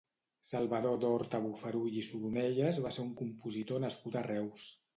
Salvador d'Horta Bofarull i Soronellas va ser un compositor nascut a Reus.